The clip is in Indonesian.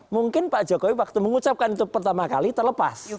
mungkin pak jokowi waktu mengucapkan itu pertama kali terlepas